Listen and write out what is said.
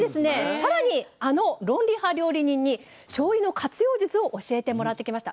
更にあの論理派料理人にしょうゆの活用術を教えてもらってきました。